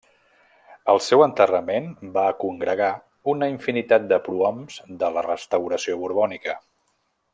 El seu enterrament va congregar una infinitat de prohoms de la Restauració borbònica.